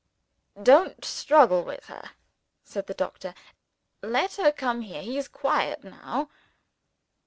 "Don't struggle with her," said the doctor. "Let her come here. He is quiet now."